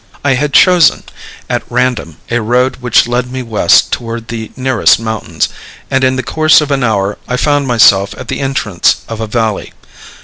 I had chosen, at random, a road which led me west toward the nearest mountains, and in the course of an hour I found myself at the entrance of a valley.